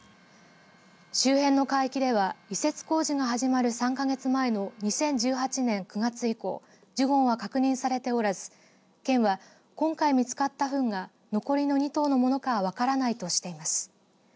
周辺の海域では移設工事が始まる３か月前の２０１８年９月以降ジュゴンは確認されておらず県は今回見つかったふんが残りの２頭のものかは分からないとしています。